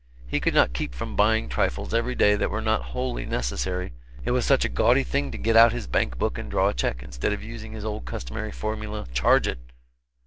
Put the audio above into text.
He could not keep from buying trifles every day that were not wholly necessary, it was such a gaudy thing to get out his bank book and draw a check, instead of using his old customary formula, "Charge it!"